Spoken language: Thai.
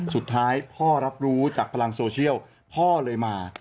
สุดท้ายพ่อรับรู้จากพลังโซเชียลพ่อเลยมา